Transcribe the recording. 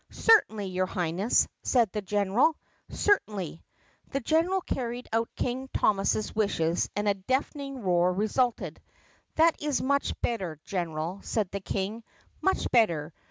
"Certainly, your Highness," said the general, "certainly!" The general carried out King Thomas's wishes and a deafening roar resulted. "That is much better, General," said the King, "much better.